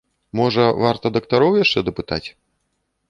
Можа, варта дактароў яшчэ дапытаць?